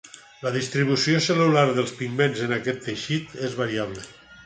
La distribució cel·lular i dels pigments en aquest teixit és variable.